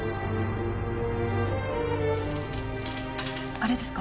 あれですか？